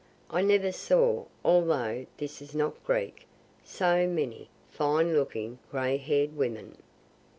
I never saw (although this is not Greek) so many fine looking gray hair'd women.